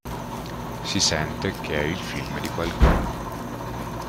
Si sente che è il film di qualcuno.